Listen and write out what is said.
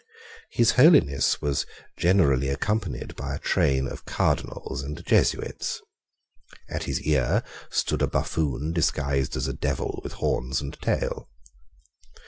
His Holiness was generally accompanied by a train of Cardinals and Jesuits. At his ear stood a buffoon disguised as a devil with horns and tail.